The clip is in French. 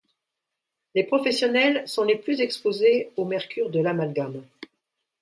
Les professionnels sont les plus exposés au mercure de l'amalgame.